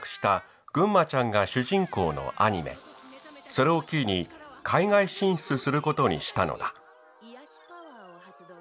それをキーに海外進出することにしたのだ。